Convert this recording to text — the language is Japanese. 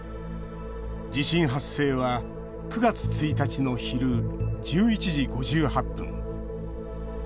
地震発生は９月１日の昼、１１時５８分。